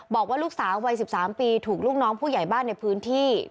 บอกว่าลูกสาววัย๑๓ปีถูกลูกน้องผู้ใหญ่บ้านในพื้นที่